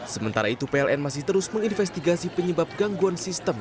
sementara itu pln masih terus menginvestigasi penyebab gangguan sistem